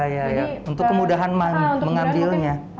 iya untuk kemudahan mengambilnya